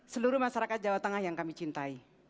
seluruh masyarakat jawa tengah yang kami cintai